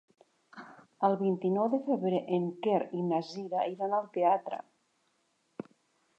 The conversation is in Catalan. El vint-i-nou de febrer en Quer i na Cira iran al teatre.